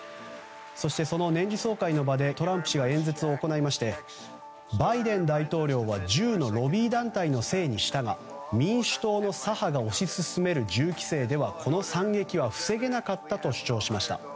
そして、その年次総会の場でトランプ氏が演説を行いましてバイデン大統領は銃のロビー団体のせいにしたが民主党の左派が推し進める銃規制ではこの惨劇は防げなかったと主張しました。